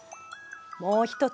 もう一つ